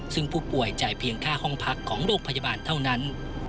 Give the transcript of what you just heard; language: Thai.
ซึ่งผู้ป่วยจ่ายเพียงค่าห้องพักของโรงพยาบาลเท่านั้น